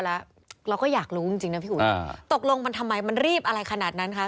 แล้วเราก็อยากรู้จริงนะพี่อุ๋ยตกลงมันทำไมมันรีบอะไรขนาดนั้นคะ